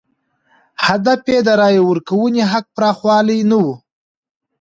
هدف یې د رایې ورکونې حق پراخوال نه و.